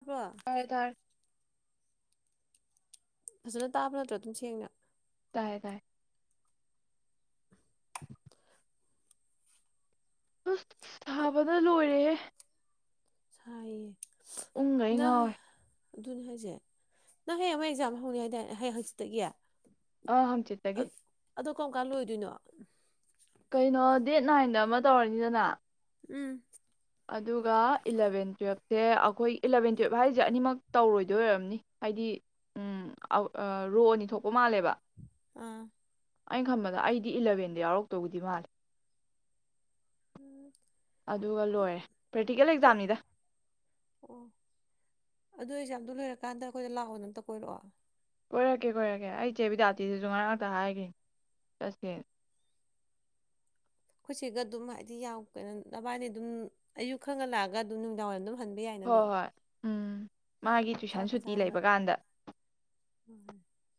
ꯇꯥꯕ꯭ꯔꯣ ꯐꯔꯗꯔ ꯐꯖꯅ ꯇꯥꯕ ꯅꯠꯇ꯭ꯔꯣ ꯑꯗꯨꯝ ꯁꯦꯡꯅ ꯀꯥꯏ ꯀꯥꯏ ꯁꯥꯥꯕꯗ ꯂꯣꯏꯔꯦꯦ ꯁꯥꯏꯌꯦ ꯎꯪꯗ ꯑꯩ ꯉꯥꯎꯋꯦ ꯅꯪ ꯑꯗꯨꯅꯦ ꯍꯥꯏꯁꯦ ꯅꯪ ꯍꯌꯦꯡ ꯑꯦꯛꯖꯥꯝ ꯍꯧꯅꯤ ꯍꯥꯏꯗꯤ ꯍꯌꯦꯡ ꯍꯪꯆꯛꯇꯒꯤ ꯑ ꯍ ꯆꯤꯠꯇꯒꯤꯦ ꯑꯗꯣ ꯀꯔꯝ ꯀꯥꯟ ꯂꯣꯏꯗꯣꯏꯅꯣ ꯀꯩꯅꯣ ꯗꯦꯠ ꯅꯥꯏꯟꯗ ꯑꯃ ꯇꯧꯔꯅꯤꯗꯅ ꯎꯝ ꯑꯗꯨꯒ ꯏꯂꯚꯦꯟ ꯇꯨꯌꯦꯜꯞꯁꯦ ꯑꯩꯈꯣꯏ ꯏꯂꯚꯦꯟ ꯇꯨꯌꯦꯜꯞ ꯍꯥꯏꯁꯦ ꯑꯅꯤꯃꯛ ꯇꯧꯔꯣꯏꯗꯣꯏꯝꯅꯤ ꯍꯥꯏꯗꯤ ꯔꯣ ꯑꯅꯤ ꯊꯣꯛꯄ ꯃꯥꯜꯂꯦꯕ ꯑꯥ ꯑꯩꯅ ꯈꯟꯕꯗ ꯑꯩꯗꯤ ꯏꯂꯚꯦꯟꯗ ꯌꯥꯎꯔꯛꯇꯕꯨꯗꯤ ꯃꯥꯂꯦ ꯎꯝ ꯑꯗꯨꯒ ꯂꯣꯏꯔꯦ ꯄ꯭ꯔꯦꯛꯇꯤꯀꯦꯜ ꯐꯣꯔꯠ ꯑꯦꯛꯖꯥꯝꯅꯤꯗ ꯑꯣ ꯑꯗꯨ ꯑꯦꯛꯖꯥꯝꯗꯨ ꯂꯣꯏꯔꯀꯥꯟꯗ ꯑꯩꯈꯣꯏꯗ ꯂꯥꯛꯑꯣꯗ ꯑꯝꯇ ꯀꯣꯏꯔꯛꯑꯣ ꯀꯣꯏꯔꯛꯀꯦ ꯀꯣꯏꯔꯛꯀꯦ ꯑꯩ ꯏꯆꯦꯕꯤꯗꯥꯇꯤꯗꯨꯁꯨ ꯉꯔꯥꯡꯇ ꯍꯥꯏꯒꯦ ꯆꯠꯀꯦ ꯑꯩꯈꯣꯏꯠꯁꯤꯒ ꯑꯗꯨꯝ ꯍꯥꯏꯗꯤ ꯌꯥꯎ ꯀꯩꯅꯣ ꯅꯕꯥꯏꯅꯤ ꯑꯗꯨꯝ ꯑꯌꯨꯛ ꯈꯪꯉ ꯂꯥꯛꯑꯒ ꯑꯗꯨꯝ ꯅꯨꯃꯤꯗꯥꯡ ꯋꯥꯏꯝ ꯑꯗꯨꯝ ꯍꯟꯕ ꯌꯥꯏꯅ ꯍꯣꯏ ꯑꯗꯨꯝ ꯍꯣꯏ ꯎꯝ ꯃꯥꯒꯤ ꯇꯨꯏꯁꯟ ꯆꯥꯛꯀ ꯁꯨꯇꯤ ꯆꯥꯔꯒ ꯂꯩꯕ ꯀꯥꯟꯗ ꯍ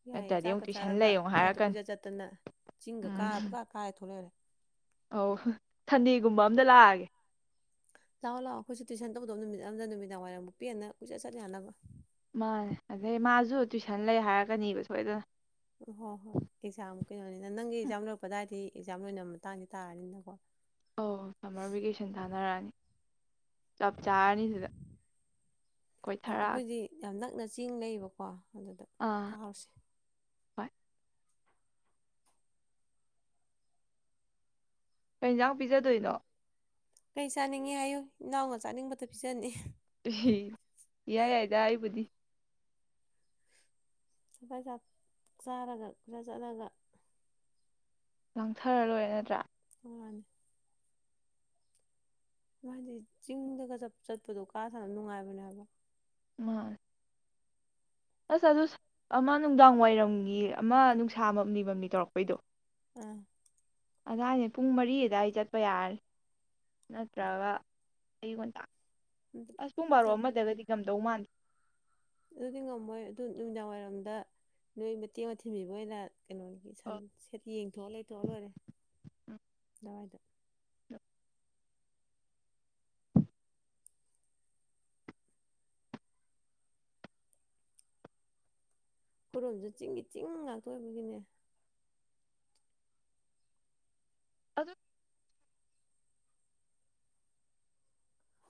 ꯌꯥꯏꯑꯦ ꯅꯠꯇ꯭ꯔꯗꯤ ꯑꯃꯨꯛ ꯆꯥꯛꯀ ꯇꯨꯏꯁꯟ ꯆꯥꯔꯒ ꯂꯩꯌꯣ ꯁ꯭ꯋꯥꯏꯗ ꯍꯥꯏꯔꯛꯀꯅꯤ ꯀꯨꯏꯆꯠ ꯆꯠꯇꯅ ꯆꯤꯡꯒ ꯀꯥꯔ ꯎꯝ ꯀꯥ ꯀꯥꯔꯦ ꯊꯣꯛꯂꯛꯔꯦ ꯑꯧ ꯊꯟꯗꯤꯒꯨꯝꯕ ꯑꯝꯇ ꯂꯥꯛꯑꯒꯦ ꯂꯥꯛꯑꯣ ꯂꯥꯛꯑꯣ ꯑꯩꯈꯣꯏꯁꯨ ꯇꯨꯏꯁꯟ ꯇꯧꯗꯕ ꯅꯨꯃꯤꯠ ꯑꯃꯝꯗ ꯅꯨꯃꯤꯗꯥꯡ ꯋꯥꯏꯔꯝꯨꯛ ꯄꯦꯟꯅ ꯀꯨꯏꯠ ꯆꯠꯂ ꯌꯥꯅꯕ ꯃꯥꯅꯦ ꯑꯗꯩ ꯃꯥꯁꯨ ꯇꯨꯏꯁꯟ ꯂꯩ ꯍꯥꯏꯔꯛꯀꯅꯦꯕ ꯁꯣꯏꯗꯅ ꯎꯝ ꯍꯣꯏ ꯍꯣꯏ ꯑꯦꯛꯖꯥꯝ ꯀꯩꯅꯣꯅꯤꯅ ꯅꯪꯒꯤ ꯑꯦꯛꯖꯥꯝ ꯂꯧꯣꯏꯔꯛꯄꯗꯥꯏꯗꯤ ꯑꯦꯛꯖꯥꯝ ꯂꯣꯏꯅꯕ ꯃꯇꯥꯡꯗꯤ ꯇꯥꯔꯅꯤꯅꯀꯣ ꯑ ꯁꯝꯃꯔ ꯚꯦꯀꯦꯁꯟ ꯊꯥꯅꯔꯛꯑꯅꯤ ꯆꯞ ꯆꯥꯔꯅꯤ ꯁꯤꯗ [unintelligible] ꯆꯤꯡ ꯂꯩꯕꯀꯣ ꯑꯗꯨꯗ ꯑꯥ ꯀꯥꯔꯁꯦ ꯍꯣꯏ ꯀꯩ ꯌꯦꯟꯁꯥꯡ ꯄꯤꯖꯗꯣꯏꯅꯣ ꯀꯩ ꯆꯥꯅꯤꯡꯉꯤ ꯍꯥꯏꯌꯨ ꯏꯅꯥꯎꯅ ꯆꯥꯅꯤꯡꯕꯗꯣ ꯄꯤꯖꯅꯤ ꯎ ꯌꯥꯏ ꯌꯥꯏꯗ ꯑꯩꯕꯨꯗꯤ ꯁꯐ ꯆꯥꯔꯒ ꯈꯔ ꯆꯠꯂꯒ ꯂꯪꯊꯔ ꯂꯣꯏꯔ ꯅꯠꯇ꯭ꯔꯥ ꯍꯅꯤ ꯃꯥꯗꯤ ꯆꯤꯡꯗꯒ ꯆꯠꯄꯗꯣ ꯀꯥ ꯊꯕ ꯅꯨꯡꯉꯥꯏꯕꯅꯦꯕ ꯃꯥ ꯑꯁ ꯑꯗꯨ ꯑꯃ ꯅꯨꯡꯗꯥꯡ ꯋꯥꯏꯔꯝꯒꯤ ꯑꯃ ꯅꯨꯡꯁꯥ ꯑꯃꯝ ꯅꯤ ꯃꯝꯅꯤ ꯇꯧꯔꯛꯄꯩꯗꯣ ꯑ ꯑꯗꯨꯗꯥꯏꯗ ꯄꯨꯡ ꯃꯔꯤꯗꯋꯥ ꯑꯩ ꯆꯠꯄ ꯌꯥꯔꯦ ꯅꯠꯇ꯭ꯔꯒ ꯑꯩꯌ ꯉꯨꯣꯟꯇꯥ ꯑꯁꯁꯨꯨ ꯃꯥꯔ ꯅꯠ ꯑꯃꯗꯕꯗꯤ ꯗꯧꯃꯥꯟ ꯑꯗꯨꯗꯤ ꯉꯝꯃꯣꯏ ꯑꯗꯨ ꯅꯨꯃꯤꯗꯥꯡ ꯋꯥꯏꯔꯝꯗ ꯅꯣꯏ ꯃꯇꯦꯛ ꯑꯃ ꯊꯤꯟꯕꯤꯕ ꯑꯣꯏꯅ ꯀꯩꯅꯣꯒꯤ ꯁꯟ ꯍꯣꯏ ꯁꯦꯠ ꯌꯦꯡꯊꯣꯛꯑ ꯂꯩꯊꯣꯛꯑ ꯂꯣꯏꯔꯦ ꯎꯝ ꯑꯗꯨꯋꯥꯏꯗꯣ ꯈꯨꯔꯣꯝꯁꯨ ꯆꯤꯡꯒꯤ ꯆꯤꯡ ꯉꯥꯛꯇꯣꯛꯏꯕꯒꯤꯅꯦ ꯑꯗꯨ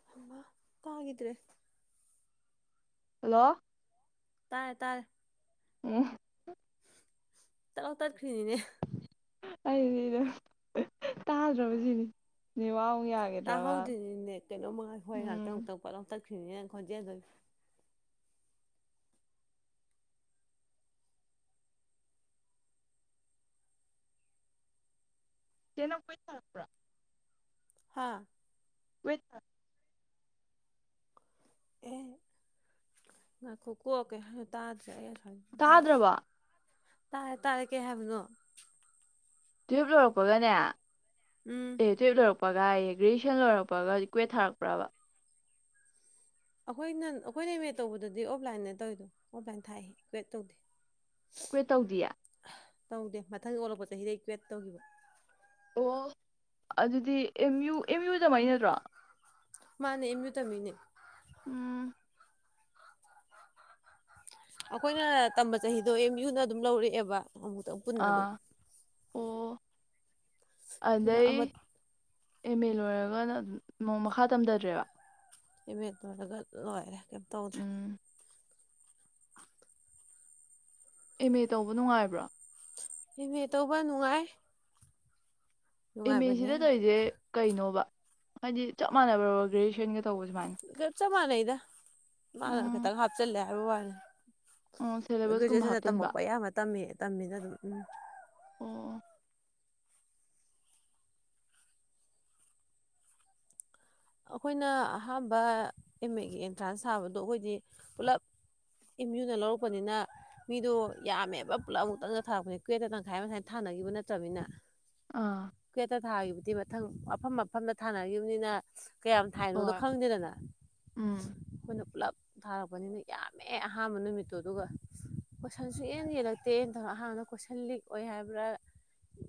ꯍꯝꯕ ꯀꯒꯗ꯭ꯔꯦ ꯍꯜꯂꯣ ꯇꯥꯏ ꯇꯥꯏ ꯎꯝ ꯇ ꯈꯅꯤꯅꯦ ꯑꯩꯗꯤ ꯇꯥꯗ꯭ꯔꯕꯁꯤꯅꯤ ꯅꯦꯋꯥꯛ ꯌꯥꯈꯤꯗ꯭ꯔꯕ ꯇꯥꯍꯧꯗ꯭ꯅꯤꯅꯦ ꯀꯩꯅꯣꯃ ꯍꯣꯏ ꯉꯥꯛꯇ ꯎꯝ ꯉꯥꯛꯇꯪ ꯄꯣꯠꯎ ꯈ ꯈꯗꯤꯒ ꯀꯩꯅ ꯀ ꯊꯔꯛꯄ꯭ꯔ ꯍꯥꯥ ꯑꯣꯏꯋꯣꯏꯊ ꯑꯦ ꯉꯈꯣ ꯀꯣ ꯀ ꯇꯥꯖ ꯇꯥꯗ꯭ꯔꯕ ꯇꯥꯔ ꯇꯥꯔꯦ ꯀꯦ ꯍꯥꯏꯕꯅꯣ ꯇꯨ ꯑꯦꯐ ꯂꯧꯔꯛꯄꯒꯅꯦ ꯎꯝ ꯑꯦ ꯇꯨꯑꯪꯐ ꯂꯣꯏꯔꯛ ꯄꯒꯥꯏꯌꯦ ꯒ꯭ꯔꯦꯖꯨꯌꯦꯁꯟꯣꯏꯔꯛꯄꯒ ꯏ ꯀ꯭ꯋꯦꯠ ꯊꯥꯔꯛꯄ꯭ꯔꯕ ꯑꯩꯈꯣꯏꯅ ꯑꯩꯈꯣꯏꯅ ꯏꯃꯦ ꯇꯧꯕꯗꯗꯤ ꯑꯣꯐꯂꯥꯏꯟꯗ ꯇꯧꯋꯔꯤꯗꯣ ꯑꯣꯐꯂꯥꯏꯟ ꯊꯥꯛ ꯀ꯭ꯋꯦ ꯇꯧꯗꯦ ꯀꯣꯏ ꯇꯧꯗꯤꯌꯦ ꯇꯧꯗꯦ ꯃꯊꯪ ꯑꯣꯜꯂꯛꯄ ꯆꯍꯤꯗ ꯀ꯭ꯋꯦꯠ ꯇꯧꯈꯤꯕ ꯑꯣ ꯑꯗꯨꯗꯤ ꯑꯦꯝ ꯌꯨ ꯑꯦꯝ ꯌꯨꯗꯃꯥꯏꯅ ꯅꯠꯇ꯭ꯔꯣ ꯃꯥꯅꯦ ꯏꯃꯤꯌꯨ ꯇꯃꯤꯅꯦ ꯎꯝ ꯑꯩꯈꯣꯏꯅ ꯇꯝꯕ ꯆꯍꯤꯗꯣ ꯑꯦꯝ ꯌꯨꯅ ꯑꯗꯨꯝ ꯂꯧꯔꯛꯑꯦꯕ ꯑꯗꯕꯨꯗ ꯅ ꯑꯗꯨ ꯑꯥ ꯑꯣ ꯑꯗꯩ ꯑꯃ ꯑꯦꯝ ꯑꯦ ꯂꯣꯏꯔꯒ ꯅꯣꯡ ꯃꯈꯥ ꯇꯝꯊꯗ꯭ꯔꯦꯕ ꯏꯚ ꯇꯔꯒ ꯂꯣꯏꯔꯦ ꯀꯩꯝ ꯇꯧꯗ꯭ꯔꯦ ꯎꯝ ꯑꯦꯝ ꯑꯦ ꯇꯧꯕ ꯅꯨꯡꯉꯥꯏꯕ꯭ꯔꯥ ꯑꯥꯝꯃꯦ ꯇꯧꯕ ꯅꯨꯡꯉꯥꯏ ꯏꯃꯦ ꯅꯨꯡꯉꯥꯏꯕꯅꯦ ꯁꯤꯗ ꯇꯧꯔꯤꯁꯦ ꯀꯩꯅꯣꯕ ꯍꯥꯏꯗꯤ ꯆꯞ ꯃꯥꯟꯅ ꯇꯧ ꯏ ꯁꯨꯝꯃꯥꯏꯅ ꯆꯞꯃ ꯅꯩꯗ ꯃꯥꯈꯤꯇꯒ ꯍꯥꯞꯆꯜꯂꯦ ꯑꯣ [unintelligible] ꯁꯦꯂꯦꯕꯁꯀꯨꯝꯕ ꯒ꯭ꯔꯦꯖꯨꯑꯦꯁꯟꯗ ꯍꯥꯞꯆꯟꯕ ꯇꯝꯃꯛꯄ ꯑꯌꯥꯝꯕ ꯇꯝꯃꯤ ꯇꯝꯃꯤꯅ ꯑꯗꯨꯝ ꯎꯝ ꯑꯣ ꯑꯩꯈꯣꯏꯅ ꯑꯍꯥꯟꯕ ꯑꯦꯝ ꯑꯦꯒꯤ ꯑꯦꯟꯇ꯭ꯔꯥꯟꯁ ꯊꯥꯕꯗꯣ ꯑꯩꯈꯣꯏꯗꯤ ꯄꯨꯂꯞ ꯑꯦꯝ ꯌꯨꯅ ꯂꯧꯔꯛꯄꯅꯤꯅ ꯃꯤꯗꯣ ꯌꯥꯝꯃꯦꯕ ꯄꯨꯂꯞ ꯑꯃꯨꯛꯇꯪꯗ ꯊꯥꯔꯛꯄꯅꯤ ꯀꯨꯋꯦꯠꯇ ꯇꯪꯈꯥꯏ ꯃꯈꯁꯥꯏ ꯊꯥꯅꯈꯤꯕ ꯅꯠꯇ꯭ꯔꯅꯤꯅ ꯑꯥ ꯀ꯭ꯋꯤꯠꯇ ꯊꯥꯈꯤꯕꯗꯤ ꯃꯊꯪ ꯃꯐꯝ ꯃꯐꯝꯗ ꯊꯥꯅꯈꯤꯕꯅꯤꯅ ꯀꯌꯥꯝ ꯊꯥꯏꯅꯣꯗꯣ ꯍꯣꯏ ꯈꯪꯗꯦꯗꯅ ꯎꯝ ꯑꯩꯈꯣꯏꯅ ꯄꯨꯂꯞ ꯊꯥꯔꯛꯄꯅꯤꯅ ꯌꯥꯝꯃꯦ ꯑꯍꯥꯟꯕ ꯅꯨꯃꯤꯠꯇꯣ ꯑꯗꯨꯒ ꯀꯣꯏꯁꯟꯁꯨ ꯍꯦꯟꯅ ꯌꯦꯜꯂꯛꯇꯦꯅꯧ ꯑꯍꯥꯟꯕꯅ ꯀꯣꯏꯁꯟ ꯂꯤꯛ ꯑꯣꯏ ꯍꯥꯏꯕ꯭ꯔꯥ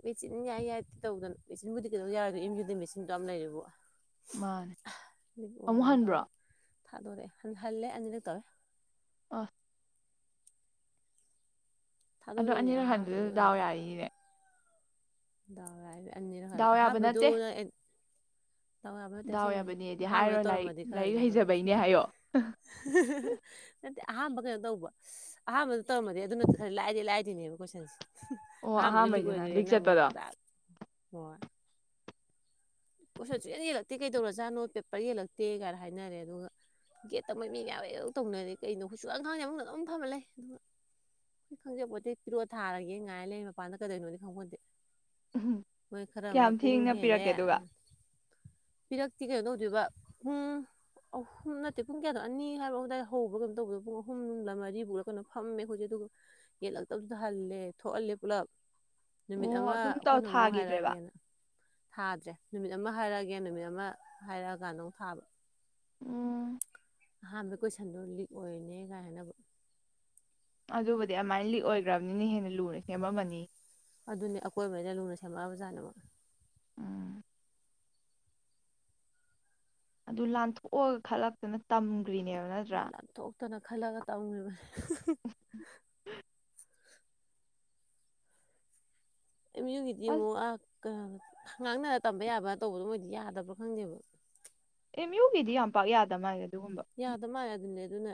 ꯃꯦꯆꯤꯟ ꯌꯥꯏ ꯌꯥꯏꯗꯦ ꯇꯧꯗꯅ ꯃꯦꯆꯤꯟꯕꯨꯗꯤ ꯀꯩꯗꯧ ꯌꯥꯔꯣꯏꯗ ꯏꯦꯝ ꯌꯨꯗꯤ ꯃꯦꯆꯤꯟꯗꯣ ꯌꯥꯝ ꯂꯩꯔꯤꯕꯣ ꯃꯥꯅꯦ ꯑꯃꯨꯛ ꯍꯟꯕ꯭ꯔꯣ ꯇꯧꯔ ꯊꯥꯗꯣꯔꯛꯑꯦ ꯍ ꯍꯜꯂꯦ ꯑꯅꯤꯔꯛ ꯇꯧꯋꯦ ꯑꯣꯐ ꯑꯗꯣ ꯊꯥꯗꯣꯔꯛꯏꯅꯦ ꯑꯅꯤꯔꯛ ꯑꯍꯥꯟꯕꯩꯗꯣ ꯍꯟꯗꯨꯗꯁꯨꯗꯥꯎ ꯌꯥꯔꯤꯅꯦ ꯗꯔ ꯍꯥꯏꯕ ꯑꯅꯤꯔꯛ ꯍꯜꯂꯦ ꯗꯥꯎ ꯌꯥꯕ ꯅꯠꯇꯦ ꯑꯍꯟꯕꯩꯗꯨꯅ ꯇꯧꯕ ꯅꯠꯇꯦ ꯗꯥꯎ ꯑꯁꯦꯡꯕꯩꯁꯨ ꯌꯥꯕꯅꯦꯗꯤ ꯍꯥꯏꯔꯣ ꯑꯍꯥꯟꯕꯗ ꯂꯥꯏꯔꯤꯛ ꯇꯧꯔꯝꯃꯗꯤ ꯈꯔꯗꯤ ꯂꯥꯏꯔꯤꯛ ꯀꯩꯅꯣ ꯇꯧꯗꯦ ꯍꯩꯖꯕꯩꯅꯦ ꯍꯥꯏꯌꯣ ꯅꯠꯇꯦ ꯑꯍꯥꯟꯕ ꯀꯩꯅꯣ ꯇꯧꯕ ꯑꯍꯥꯟꯕꯗ ꯇꯧꯔꯝꯃꯗꯤꯦ ꯑꯗꯨꯅꯗꯤ ꯈꯔ ꯂꯥꯏꯗꯤ ꯂꯥꯏꯗꯣꯏꯅꯦꯕ ꯀꯣꯏꯁꯟꯁꯦ ꯑꯣ ꯑꯍꯥꯟꯕꯗ ꯑꯍꯥꯥꯟꯕꯩꯒꯤꯅ ꯂꯤꯛ ꯆꯠꯄꯗꯣ [unintelligible] ꯍ ꯀꯣꯏꯁꯟꯁꯨ ꯍꯟ ꯌꯦꯛꯂꯛꯇꯦ ꯀꯩꯗꯧꯔꯖꯥꯅꯣ ꯄꯦꯄꯔ ꯌꯦꯛꯂꯛꯇꯦ ꯀꯥꯏꯅ ꯍꯥꯏꯅꯔꯦ ꯑꯗꯨꯒ ꯒꯦꯠꯇ ꯃꯩ ꯃꯤ ꯃꯌꯥꯝ ꯍ ꯇꯧꯅꯔꯦ ꯀꯩꯅꯣ ꯍꯨꯠꯁꯨ ꯀꯥꯡꯈꯥꯡꯁꯦ ꯑꯃꯨꯛꯅ ꯑꯗꯨꯝ ꯊꯃ ꯂꯩ ꯑꯗꯨꯒ ꯑꯩ ꯈꯪꯖꯄꯣꯠꯇꯦ ꯄꯤꯔꯣꯠ ꯊꯥꯔꯒꯦ ꯉꯥꯏꯔ ꯂꯩ ꯃꯄꯥꯟꯗ ꯀꯩꯗꯣꯏꯅꯣꯅꯦ ꯈꯪꯕꯣꯟꯗꯦ ꯃꯣꯏ ꯈꯔ ꯑꯃ ꯀꯌꯥꯝ ꯄꯨꯡ ꯊꯦꯡꯅ ꯍꯦꯜꯂꯦ ꯄꯤꯔꯛꯀꯦ ꯑꯗꯨꯒ ꯄꯤꯔꯛꯇꯤ ꯀꯩꯅꯣ ꯇꯧꯗꯣꯏꯕ ꯄꯨꯡ ꯑꯍꯨꯝ ꯅꯠꯇꯦ ꯄꯨꯡ ꯀꯌꯥꯗꯣ ꯑꯅꯤ ꯍꯥꯏꯕ ꯑꯗꯨꯗꯥꯏ ꯍꯧꯕ꯭ꯔꯥ ꯀꯩꯅꯣ ꯇꯧꯕꯗꯣ ꯄꯨꯡ ꯑꯍꯨꯝꯂ ꯃꯔꯤꯕꯐꯔꯥ ꯀꯩꯅꯣ ꯐꯝꯃꯦ ꯑꯩꯖꯤꯛ ꯑꯗꯨꯒ ꯌꯦꯠꯂꯛꯇꯕꯁꯨꯗ ꯍꯜꯂꯦ ꯊꯣꯛꯍꯜꯂꯦ ꯄꯨꯂꯞ ꯅꯨꯃꯤꯠ ꯑꯣ ꯑꯃ ꯑꯗꯨꯝ ꯇꯧ ꯑꯩꯈꯣꯏꯅ ꯑꯃꯨꯛ ꯊꯥꯈꯤꯗ꯭ꯔꯦꯕ ꯍꯥꯏꯔꯛꯑꯒꯦꯅ ꯍꯖ ꯅꯨꯃꯤꯠ ꯑꯃ ꯍꯥꯏꯔꯛꯑꯒꯦ ꯅꯨꯃꯤꯠ ꯑꯃ ꯍꯥꯏꯔꯛꯑꯀ ꯅꯣꯡ ꯊꯥꯕ ꯎ ꯑꯍꯥꯟꯕ ꯀꯣꯏꯁꯟꯗꯣ ꯂꯤꯛ ꯑꯣꯏꯔꯅꯦ ꯀꯥꯏꯅꯕ ꯑꯗꯨꯕꯨꯗꯤ ꯑꯗꯨꯃꯥꯏꯅ ꯂꯤꯛ ꯑꯣꯏꯈ꯭ꯔꯕꯅꯤꯅ ꯍꯦꯟꯅ ꯂꯨꯅ ꯁꯦꯝꯃꯝꯃꯅꯤ ꯑꯗꯨꯅꯦ ꯑꯀꯣꯏꯕꯉꯩꯅ ꯂꯨꯅ ꯁꯦꯝꯃꯛꯑꯕ ꯖꯥꯠꯅꯕꯃꯛ ꯎꯝ ꯑꯗꯨ ꯂꯥꯟꯊꯣꯛꯑꯒ ꯈꯜꯂꯛꯇꯅ ꯇꯝ ꯀꯔꯤꯅꯦ ꯅꯠꯇ꯭ꯔꯥ ꯈꯂꯒ ꯇꯒꯦ ꯑ ꯑꯁ ꯌꯒꯤꯗꯤꯃꯣ ꯑ ꯈꯉꯥꯡꯅꯅ ꯇꯝꯕ ꯌꯥꯕꯅ ꯇꯧꯕꯗꯣ ꯃꯣꯏꯗꯤ ꯌꯥꯗꯕ꯭ꯔꯣ ꯈꯪꯗꯦꯕ ꯑꯦ ꯃ꯭ꯌꯨꯒꯤꯗꯤ ꯌꯥꯝ ꯄꯥꯛ ꯌꯥꯗꯕ ꯃꯥ ꯍꯥꯏꯒꯗꯤ ꯌꯥꯗꯕ ꯃꯥꯜꯂꯦ ꯑꯗꯨꯝꯅꯦ ꯑꯗꯨꯅ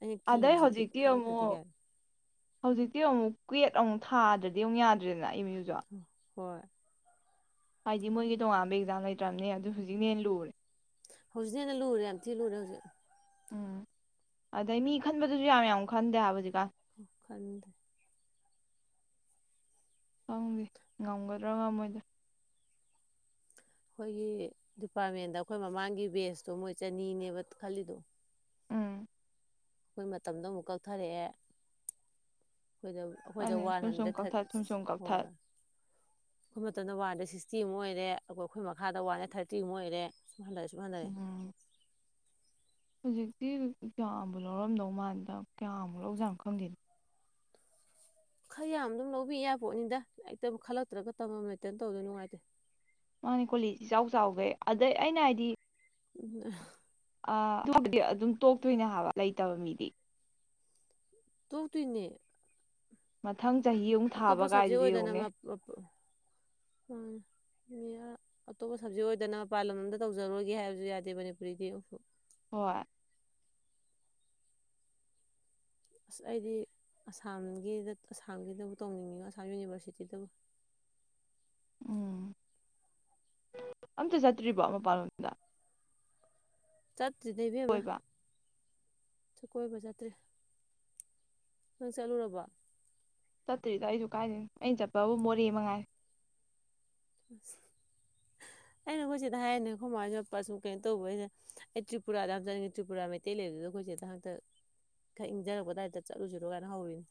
ꯑꯩꯅ ꯑꯗꯩ ꯀꯤꯕꯁꯤꯗꯤ ꯍꯧꯖꯤꯛꯇꯤ ꯈꯜꯂꯛꯇꯗꯤ ꯑꯃꯨꯛ ꯀꯥꯏ ꯍꯧꯖꯤꯛꯇꯤ ꯑꯃꯨꯛ ꯀ꯭ꯋꯦꯠ ꯑꯃꯨꯛ ꯊꯥꯗ꯭ꯔꯗꯤ ꯑꯃꯨꯛ ꯌꯥꯗ꯭ꯔꯦꯅ ꯏꯃꯦꯌꯖ ꯍꯣꯏ ꯍꯥꯏꯗꯤ ꯃꯣꯏꯒꯤ ꯇꯣꯉꯥꯟꯕ ꯑꯦꯛꯖꯥꯝ ꯂꯩꯇ꯭ꯔꯕꯅꯦ ꯑꯗꯨ ꯍꯧꯖꯤꯛꯅ ꯍꯦ ꯂꯨꯔꯦ ꯍꯧꯖꯤꯛꯅ ꯍꯦꯟꯅ ꯂꯨꯔꯦ ꯌꯥꯝ ꯊꯤ ꯂꯨꯔꯦ ꯍꯧꯖꯤꯛ ꯎꯝ ꯑꯗꯩ ꯃꯤ ꯈꯟꯕꯗꯨꯁꯨ ꯌꯥꯝ ꯌꯥꯝ ꯈꯟꯗꯦ ꯍꯥꯏꯕꯖꯤꯛꯀ ꯈꯟꯗ ꯈꯪꯗꯦ ꯉꯝꯒꯗ꯭ꯔꯥ ꯉꯃꯣꯏꯗ ꯑꯩꯈꯣꯏꯒꯤ ꯗꯤꯄꯥꯔꯠꯃꯦꯟꯗ ꯑꯩꯈꯣꯏ ꯃꯃꯥꯡꯒꯤ ꯕꯦꯁꯇꯣ ꯃꯣꯏ ꯆꯅꯤꯅꯦꯕ ꯈꯜꯂꯤꯗꯣ ꯎꯝ ꯑꯩꯈꯣꯏ ꯃꯇꯝꯗꯣ ꯑꯃꯨꯛ ꯀꯛꯊꯔꯛꯑꯦ ꯑꯩꯈꯣꯏꯗ ꯑꯩꯈꯣꯏꯗ ꯑꯗꯨꯅꯦ ꯋꯥꯟ ꯁꯨꯝ ꯁꯨꯝ ꯍꯟꯗ꯭ꯔꯦꯠ ꯊꯥꯔꯇꯤ ꯀꯛꯊꯠ ꯁꯨꯝ ꯁꯨꯝ ꯍꯣꯏ ꯀꯛꯊꯠ ꯑꯩꯈꯣꯏ ꯃꯇꯝꯗ ꯋꯥꯟꯗ ꯁꯤꯛꯁꯇꯤ ꯑꯃꯨ ꯑꯣꯏꯔꯦ ꯑꯩꯣꯏ ꯑꯩꯈꯣꯏ ꯃꯈꯥꯗ ꯋꯥꯟꯗ ꯊꯥꯔꯇꯤ ꯑꯃꯨ ꯑꯣꯏꯔꯦ [unintelligible] ꯎꯝ ꯍꯧꯖꯤꯛꯇꯤ ꯀꯌꯥꯃꯨꯛ ꯂꯧꯔꯝꯗꯧ ꯃꯥꯟꯗ ꯀꯌꯥꯃꯨꯛ ꯂꯧꯖꯥꯅꯣ ꯈꯪꯗꯦꯅ ꯈꯔ ꯌꯥꯝ ꯑꯗꯨꯝ ꯂꯧꯕꯤ ꯌꯥꯔꯄꯣꯠꯅꯤꯗ ꯑꯩꯇ ꯈꯜꯂꯛꯇ꯭ꯔꯒ ꯇꯝꯃꯇ ꯇꯧꯗ ꯅꯨꯡꯉꯥꯏꯇꯦ ꯃꯥꯅꯤ ꯀꯣꯂꯦꯁꯁꯤ ꯏ ꯆꯥꯎ ꯆꯥꯎꯈꯦ ꯑꯗꯩ ꯑꯩꯅ ꯍꯥꯏꯗꯤ ꯑ ꯑꯗꯤ ꯑꯗꯨꯝ ꯇꯣꯛꯇꯣꯏꯅꯦ ꯍꯥꯏꯕ ꯂꯩꯇꯕ ꯃꯤꯗꯤ ꯇꯣꯛꯇꯨꯏꯅꯦ ꯃꯊꯪ ꯆꯍꯤ ꯑꯃꯨꯛ ꯊꯥꯕ ꯀꯥꯏꯗꯨꯗꯤ ꯑꯣꯏꯗꯅ ꯌꯦꯡꯉꯨꯅꯦ ꯑꯇꯣꯞꯄ ꯁꯕꯖꯦꯛ ꯑꯣꯏꯗꯅ ꯃꯄꯥꯜ ꯂꯝ ꯑꯗ ꯇꯧꯖꯔꯣꯏꯒꯦ ꯍꯥꯏꯕꯁꯨ ꯌꯥꯗꯦ ꯃꯅꯤꯄꯨꯔꯤꯗꯤ ꯍꯣꯏ ꯑꯁ ꯑꯩꯗꯤ ꯑꯁꯥꯝꯒꯤꯗ ꯑꯁꯥꯝꯒꯤꯗꯕꯨ ꯇꯧꯅꯤꯡꯉꯤꯉꯣ ꯑꯁꯥꯝ ꯌꯨꯅꯤꯚꯔꯁꯤꯇꯤꯗꯕꯨ ꯎꯝ ꯑꯝꯇ ꯆꯠꯇ꯭ꯔꯤꯕꯣ ꯃꯄꯥꯟꯂꯣꯝꯗ ꯆꯠꯇ꯭ꯔꯤꯗ ꯏꯕꯦꯝꯃꯥ ꯀꯣꯏꯕ ꯀꯣꯏꯕ ꯆꯠꯇ꯭ꯔꯦ ꯅꯪ ꯆꯠꯂꯨꯔꯕꯣ ꯆꯠꯇ꯭ꯔꯤꯗ ꯑꯩꯁꯨ ꯀꯥꯏꯗꯅ ꯑꯩꯅ ꯆꯠꯄꯕꯨ ꯃꯣꯔꯦ ꯃꯉꯥꯏ ꯑꯁ ꯑꯩꯅ ꯑꯩꯈꯣꯏ ꯆꯦꯗ ꯍꯥꯏꯔꯤꯅꯦ ꯈꯃꯥꯡ ꯃꯄ ꯁꯨꯝ ꯀꯩꯅꯣ ꯇꯧꯕꯩꯅ ꯑꯩ ꯇ꯭ꯔꯤꯄꯨꯔꯥꯗ ꯆꯠꯅꯤꯡꯉꯦ ꯇ꯭ꯔꯤꯄꯨꯔꯥ ꯃꯩꯇꯩ ꯂꯩꯕꯗꯨꯗ ꯑꯩꯈꯣꯏ ꯁꯤꯗ ꯍꯟꯛꯇ ꯈꯛ ꯏꯪꯖꯔꯛꯄꯗꯥꯏꯗ ꯆꯠꯂꯨꯁꯤꯅꯣ ꯀꯥꯏꯅ ꯍꯧꯔꯤꯅꯤ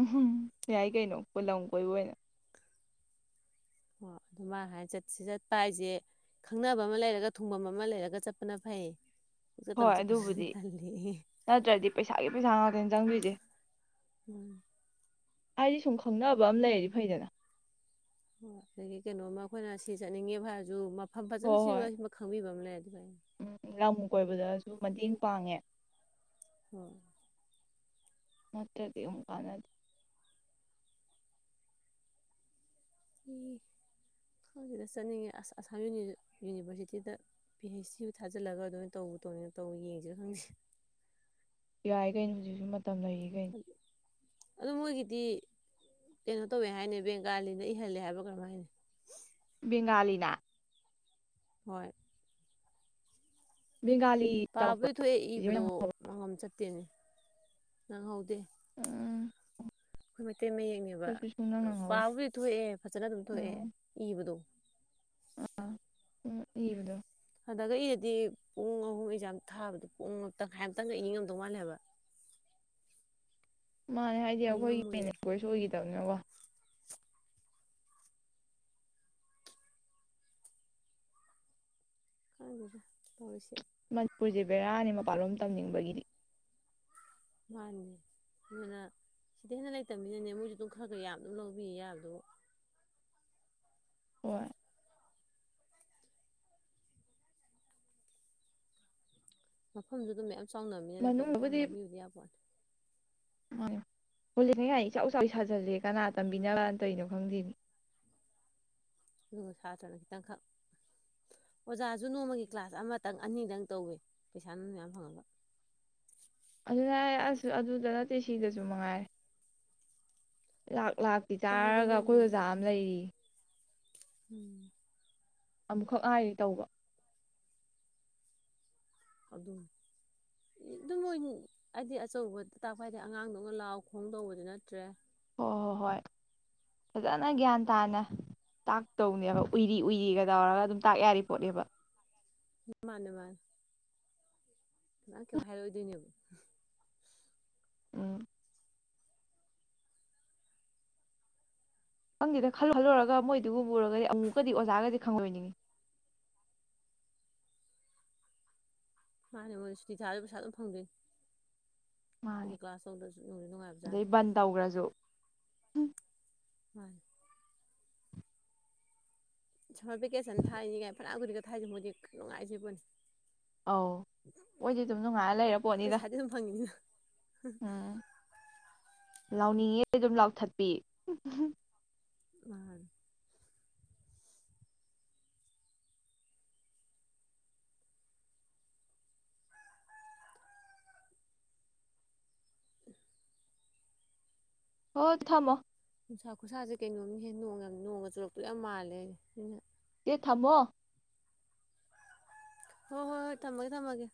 ꯎꯝꯝ ꯌꯥꯏ ꯀꯩꯅꯣ ꯂꯝ ꯀꯣꯏꯕ ꯑꯣꯏꯅ ꯑꯣ ꯑꯗꯨ ꯃꯥ ꯍꯥꯏꯅ ꯆꯠꯁꯤ ꯆꯠꯄ ꯍꯥꯏꯁꯦ ꯈꯪꯅꯕ ꯑꯃ ꯂꯩꯔꯒ ꯊꯨꯡꯐꯝ ꯑꯃ ꯂꯩꯔꯒ ꯆꯠꯄꯅ ꯐꯩ ꯄꯨꯡꯆꯠꯇ ꯍꯣꯏ ꯑꯃ ꯆꯠꯄꯗꯨꯗꯤ ꯑꯗꯨꯕꯨꯗꯤ ꯇꯜꯂꯤ ꯅꯠꯇ꯭ꯔꯗꯤ ꯄꯩꯁꯥꯒꯤ ꯄꯩꯁꯥ ꯉꯥꯛꯇꯅꯤ ꯆꯪꯕꯤꯁꯦ [inaudible] ꯍꯥꯏꯗꯤ ꯁꯨꯝ ꯈꯪꯅꯕ ꯑꯃ ꯂꯩꯔꯗꯤ ꯐꯩꯗꯅ ꯑꯣ ꯑꯗꯒꯤ ꯀꯩꯅꯣꯝꯃ ꯑꯩꯈꯣꯏꯅ ꯁꯤ ꯆꯠꯅꯤꯡꯉꯦ ꯍꯥꯏꯔꯁꯨ ꯃꯐꯝ ꯐꯖꯅ ꯍꯣꯏ ꯁꯤ ꯍꯣꯏ ꯁꯤ ꯈꯪꯕꯤꯕ ꯑꯃ ꯂꯩ ꯎꯝ ꯂꯝ ꯀꯣꯏꯕꯗ ꯃꯇꯦꯡ ꯄꯥꯡꯉꯦ [inaudible] ꯃꯠꯇꯗꯔ ꯑꯃꯨꯛ ꯀꯥꯅꯗꯦ ꯁꯤꯗ ꯆꯠꯅꯤꯡꯉꯤ ꯑꯁꯥꯝ ꯌꯨꯅꯤꯚꯔꯁꯤꯇꯤꯗ ꯄꯤ ꯍꯩꯆ ꯁꯤꯕꯨ ꯊꯥꯖꯤꯜꯂꯒ ꯑꯗꯨꯃꯅ ꯇꯧꯕ ꯇꯧꯅꯤꯅ ꯇꯧꯕ ꯌꯦꯡꯁꯤ ꯈꯪꯁꯤꯦ ꯌꯥꯏ ꯀꯩꯅꯣ ꯍꯧꯖꯤꯛꯁꯨ ꯃꯇꯝ ꯂꯩꯔꯤꯈꯩꯅꯤ ꯑꯗꯨ ꯃꯣꯏꯒꯤꯗꯤ ꯀꯩꯅꯣ ꯇꯧꯋꯦ ꯍꯥꯏꯅꯤ ꯕꯦꯡ ꯀꯥꯜꯂꯤꯅ ꯏꯍꯜꯂꯦ ꯍꯥꯏꯕ ꯀꯔꯝꯥꯏꯅꯤ ꯉꯂꯤꯅꯥ ꯍꯣꯏ ꯕꯦꯡꯒꯥꯂꯤ ꯇꯝꯃꯛꯄ꯭ꯔꯣ ꯄꯥꯕꯗꯤ ꯊꯣꯛꯑꯦ ꯏꯕꯗꯣ ꯃꯉꯝ ꯆꯠ ꯑꯗꯨꯅꯦ ꯅꯪꯍꯥꯎꯗꯦ ꯎꯝ ꯑꯩꯈꯣꯏ ꯃꯩꯇꯩ ꯃꯌꯦꯛꯅꯦꯕ ꯑꯩꯈꯣꯏꯁꯨ ꯁꯨꯡꯅꯪ ꯅꯪꯍꯧꯗꯦ ꯄꯥꯕꯨꯗꯤ ꯊꯣꯛꯑꯦ ꯐꯖꯅ ꯑꯗꯨꯝ ꯊꯣꯛꯑꯦ ꯏꯕꯗꯣ ꯑ ꯎ ꯏꯔꯗꯣ ꯍꯟꯗꯛ ꯏꯗꯗꯤ ꯄꯨꯡ ꯑꯍꯨꯝ ꯑꯦꯛꯖꯥꯝ ꯊꯥꯕꯗ ꯄꯨꯡ ꯑꯃꯛꯇꯪ ꯍꯥꯏꯝꯇꯪꯒ ꯏꯅꯤꯡꯉꯝꯗꯧ ꯃꯥꯜꯂꯦꯕ ꯃꯥꯅꯦ ꯍꯥꯏꯗꯤ ꯑꯩꯈꯣꯏꯒꯤ ꯃꯦꯅꯦꯣꯏꯁꯨ ꯑꯣꯏꯈꯤꯗꯕꯅꯀꯣ ꯀ ꯇꯁꯦ ꯃꯅꯤꯄꯨꯔꯁꯦ ꯕꯦꯔꯥꯅꯤ ꯃꯄꯥꯟꯂꯣꯝ ꯇꯝꯅꯤꯡꯕꯒꯤꯗꯤ ꯃꯥꯅꯦ ꯑꯗꯨꯅ ꯁꯤꯗ ꯍꯦꯟꯅ ꯂꯩꯇꯕꯅꯤꯅꯅꯦ ꯃꯣꯏꯁꯨ ꯑꯗꯨꯝ ꯈꯔ ꯈꯔ ꯌꯥꯝ ꯑꯗꯨꯝ ꯂꯧꯕꯤꯌꯦ ꯌꯥꯕꯗꯣ ꯍꯣꯏ ꯃꯐꯝꯗꯨꯗ ꯃꯌꯥꯝ ꯆꯥꯎꯅꯕꯅꯤꯅ ꯀꯣꯠꯇꯣ ꯐꯌꯥꯝ ꯂꯧꯕꯤꯌꯨꯗꯤ ꯌꯥꯕꯣꯟꯅꯦ ꯍꯣꯂꯉ ꯌꯥ ꯏꯆꯥꯎꯆꯥꯎ ꯁꯥꯖꯜꯂꯦ ꯀꯅꯥ ꯇꯝꯕꯤꯅꯕꯅ ꯇꯩꯅꯣ ꯈꯪꯗꯦ ꯑꯗꯨꯒ ꯁꯥꯇ꯭ꯔꯅ ꯈꯤꯇꯪꯈꯛ ꯑꯣꯖꯥꯁꯨ ꯅꯣꯡꯃꯒꯤ ꯀ꯭ꯂꯥꯁ ꯑꯃꯇꯪ ꯑꯅꯤꯗꯪ ꯇꯧꯋꯦ ꯄꯩꯁꯥ ꯅꯨꯡ ꯌꯥꯝ ꯐꯪꯉꯕ ꯑꯗꯨꯅꯦ ꯑ ꯑꯗꯨꯗ ꯅꯠꯇꯦ ꯁꯤꯗꯁꯨ ꯃꯉꯥꯏꯔꯦ ꯂ ꯂꯥꯛꯇꯤ ꯇꯧꯋꯦꯀꯣ ꯆꯥꯔꯒ ꯑꯩꯈꯣꯏ ꯅꯣꯡꯃꯒꯤ ꯑꯣꯖꯥ ꯑꯃ ꯂꯩꯔꯤ ꯎꯝ ꯑꯃꯨꯛꯈꯛ ꯍꯥꯏꯔꯤꯦ ꯇꯧꯕ ꯑꯗꯨꯝ ꯑꯗꯨꯝ ꯃꯣꯏ ꯍꯥꯏꯗꯤ ꯑꯆꯧꯕꯗ ꯇꯥꯛꯄ ꯍꯥꯏꯗꯤ ꯑꯉꯥꯡꯗꯧꯅ ꯂꯥꯎ ꯈꯣꯡ ꯇꯧꯕꯗꯤ ꯅꯠꯇ꯭ꯔꯦ ꯑꯣꯣꯏ ꯍꯣꯏ ꯍꯣꯏ ꯐꯖꯅ ꯒ꯭ꯌꯥꯟ ꯇꯥꯅ ꯇꯥꯛꯇꯧꯅꯦꯕ ꯎꯏꯔꯤ ꯎꯏꯔꯤꯒ ꯇꯧꯔꯒ ꯑꯗꯨꯝ ꯇꯥꯛ ꯌꯥꯔꯤ ꯄꯣꯠꯅꯦꯕ ꯃꯥꯅꯦ ꯃꯥ ꯃꯥ ꯀꯣ ꯍꯥꯏꯦꯣꯏꯗꯣꯏꯅꯦꯕꯨ ꯎꯝ ꯈꯪꯗꯤꯅ ꯈꯜꯂꯨ ꯈꯜꯂꯨꯔꯒ ꯃꯣꯏꯗꯨꯒ ꯎꯔꯒꯗꯤ ꯑꯃꯨꯛꯀꯗꯤ ꯑꯣꯖꯥꯒꯗꯤ ꯈꯪꯍꯣꯏꯅꯤꯡꯉꯤ ꯃꯥꯅꯦ ꯃꯣꯏ ꯁꯨꯇꯤ ꯊꯥꯁꯨ ꯄꯩꯁꯥ ꯑꯗꯨꯝ ꯐꯪꯗꯦ ꯃꯥꯅꯦ ꯅꯨꯡꯉꯥꯏꯕꯖꯥꯠꯅꯤ ꯑꯗꯩ ꯕꯟ ꯇꯧꯈ꯭ꯔꯁꯨ ꯎꯝ [unintelligible] ꯁꯃꯔ ꯚꯦꯀꯦꯁꯟ ꯊꯥꯏꯅꯤꯉꯥꯏ ꯐꯅ ꯀꯨꯔꯤꯒ ꯊꯥꯏꯁꯦ ꯍꯧꯖꯤꯛ ꯅꯨꯡꯉꯥꯏꯁꯤꯕꯅꯤ ꯑꯧ ꯍꯣꯏꯗꯤ ꯑꯗꯨꯝ ꯅꯨꯡꯉꯥꯏꯔ ꯂꯩꯔ ꯄꯣꯠꯅꯤꯗ ꯄꯩꯁꯥꯗꯤ ꯑꯗꯨꯝ ꯐꯪꯉꯤꯅꯤꯅ ꯎꯝ ꯂꯥꯎꯅꯤꯡꯉꯦ ꯑꯗꯨꯝ ꯂꯥꯎꯊꯠꯄꯤ ꯎꯝ ꯍꯣ ꯊꯃꯣ ꯅꯨꯡꯁꯥ ꯈꯨꯁꯥ ꯁꯦ ꯀꯦꯏꯅꯣꯝ ꯅꯤꯍꯦ ꯅꯣꯡ ꯅꯣꯡ ꯒꯥ ꯆꯨꯔꯥꯛ ꯇꯣꯏ ꯌꯥꯝ ꯃꯥꯅꯂꯤ ꯍꯦ꯫ ꯆꯦ ꯊꯥꯝꯃꯣ ꯍꯣꯏ ꯍꯣꯏ ꯍꯣꯏ ꯊꯝꯃꯒꯦ ꯊꯝꯃꯒꯦ